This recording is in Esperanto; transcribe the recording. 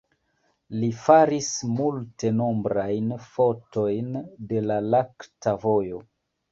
Li faris multenombrajn fotojn de la lakta vojo.